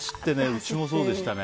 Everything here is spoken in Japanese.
うちもそうでしたね。